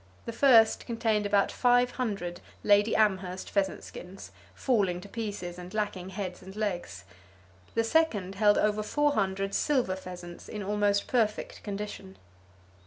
The first contained about five hundred Lady Amherst pheasant skins, falling to pieces and lacking heads and legs. The second held over four hundred silver pheasants, in almost perfect condition.